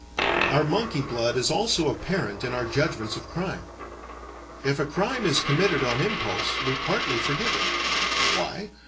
Our monkey blood is also apparent in our judgments of crime. If a crime is committed on impulse, we partly forgive it. Why?